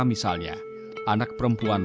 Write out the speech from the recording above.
misalnya anak perempuan